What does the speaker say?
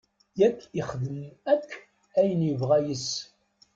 Yak ixdem akk ayen yebɣa yes-s.